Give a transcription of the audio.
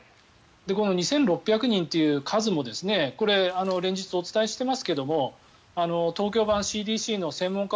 ２６００人という数も連日お伝えしてますけど東京版ＣＤＣの専門家